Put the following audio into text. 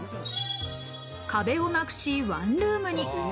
壁をなくし、ワンルームに。